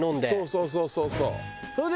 そうそうそうそうそう。